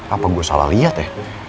apa gue salah lihat ya